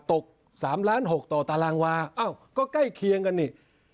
ตก๓๖๐๐๐๐๐ต่อตารางวาก็ใกล้เคียงกันนี่